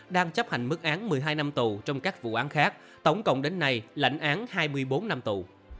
đang chấp hành mức án một mươi hai năm tù trong các vụ án khác tổng cộng đến nay lãnh án hai mươi bốn năm tù